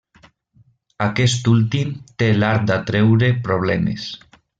Aquest últim té l'art d'atreure problemes.